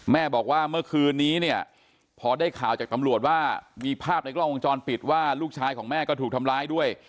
แม่บอกว่าเมื่อคืนนี้เนี่ยพอได้ข่าวจากตำรวจว่ามีภาพในกล้องวงจรปิดว่าลูกชายของแม่ก็ถูกทำร้ายด้วย